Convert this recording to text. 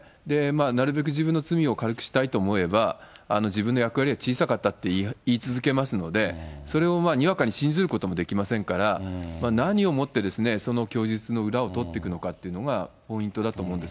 なるべく自分の罪を軽くしたいと思えば、自分の役割は小さかったと言い続けますので、それをにわかに信ずることもできませんから、何をもってその供述の裏をとっていくのかというのがポイントだと思うんです。